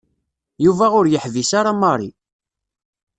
Yuba ur yeḥbis ara Mary.